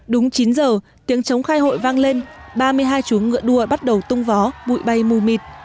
đúng chín giờ tiếng chống khai hội vang lên ba mươi hai chúa ngựa đua bắt đầu tung vó bụi bay mù mịt